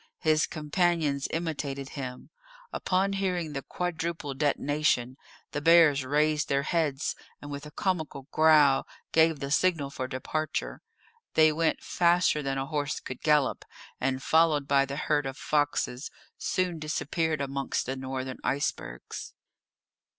His companions imitated him. Upon hearing the quadruple detonation the bears raised their heads, and with a comical growl gave the signal for departure; they went faster than a horse could gallop, and, followed by the herd of foxes, soon disappeared amongst the northern icebergs.